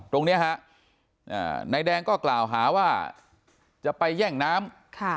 ตรงนี้ฮะนายแดงก็กล่าวหาว่าจะไปแย่งน้ำ